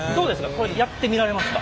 これやってみられますか？